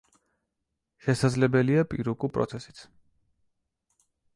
შესაძლებელია პირუკუ პროცესიც.